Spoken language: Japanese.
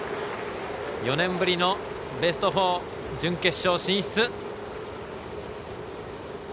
４年ぶりのベスト４準決勝進出。